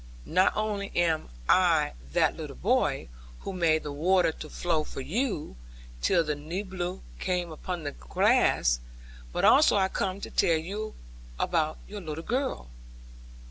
'Not only am I that little boy, who made the water to flow for you, till the nebule came upon the glass; but also I am come to tell you all about your little girl.'